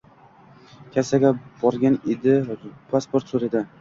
Kassaga borgan edi, pasport soʻradi.